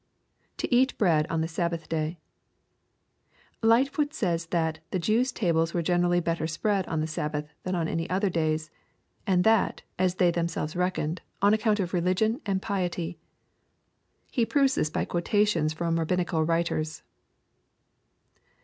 [To eat bread on the Sdbhath day.] Lightfoot says that " the Tews' tables were generally better spread on the Sabbath, than on any other days ; and that, as th^y themselves reckoned, on account of religion and piety." He proves this by quotations from Rabbin ical writers.